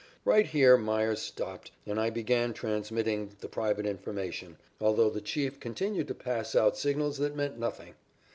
Right here Meyers stopped, and I began transmitting the private information, although the Chief continued to pass out signals that meant nothing.